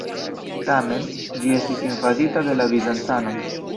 Tamen, ĝi estis invadita de la bizancanoj.